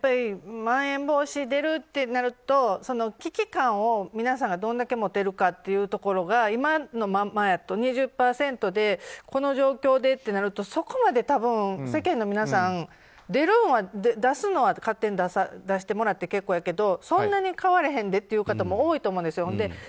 まん延防止が出るとなると危機感を皆さんがどれだけ持てるかというところが今のままやと２０％でこの状況でとなるとそこまで多分、世間の皆さん出すんは勝手に出してもらって結構やけどそんなに変わらへんでという方も多いと思うんですよ。